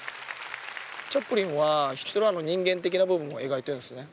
チャップリンはヒトラーの人間的な部分を描いているんですね。